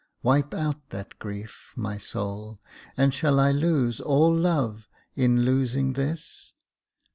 Wipe out that grief, my soul, And shall I lose all love, in losing this?